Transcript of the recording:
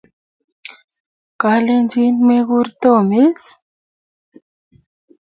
Kalechin mekur Tom is?